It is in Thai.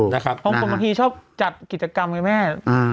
ถ้าบางทีชอบจัดกิจกรรมไอ้แม่